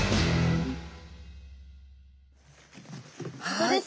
はい。